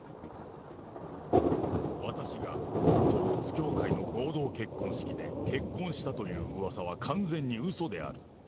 私が、統一教会の合同結婚式で結婚したといううわさは完全にうそである。